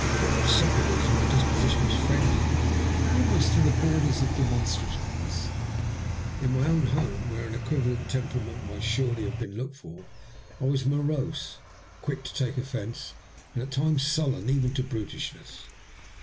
To outsiders my disposition was friendly almost to the borders of demonstrativeness ; in my own home, where an equivalent temperament might surely have been looked for, I was morose, quick to take offence, and at times sullen even to brutishness.